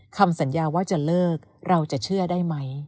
คำสัญญาว่าจะเลิกเราจะเชื่อได้ไหม